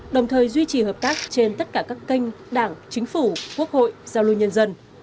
đồng thời duy trì hợp tác trên tất cả các kênh đảng chính phủ quốc hội giao lưu nhân dân